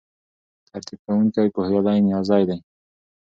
ترتیب کوونکی پوهیالی نیازی دی.